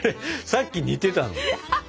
さっき似てたのに。